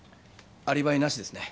アリバイなしですね。